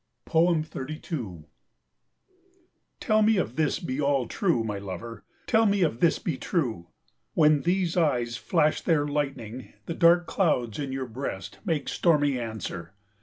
32 Tell me if this be all true, my lover, tell me if this be true. When these eyes flash their lightning the dark clouds in your breast make stormy answer.